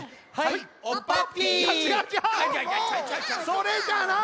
それじゃない！